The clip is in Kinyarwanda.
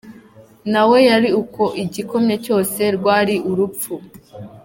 Nawe yari uko, igikomye cyose rwari urupfu.